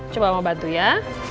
coba om bantu ya